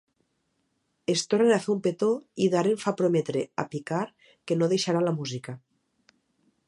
Es tornen a fer un petó, i Daren fa prometre a Picard que no deixarà la música.